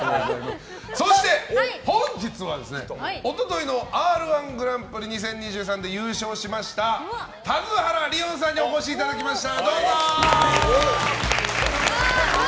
そして本日は一昨日の「Ｒ‐１グランプリ２０２３」で優勝しました田津原理音さんにお越しいただきました。